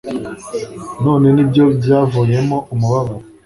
none ni byo byavuyemo umubabaro